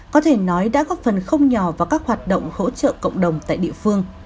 có thể nói đã góp phần không nhỏ vào các hoạt động hỗ trợ cộng đồng tại địa phương